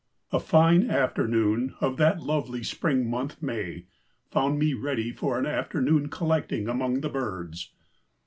A fine afternoon of that lovely spring month, May, found me ready for an afternoon collecting among the birds.